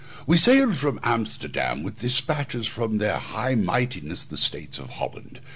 We sailed from Amsterdam with despatches from their High Mightinesses the States of Holland.